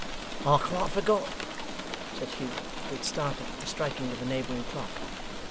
'I quite forgot,' said Hugh, who had started at the striking of a neighbouring clock.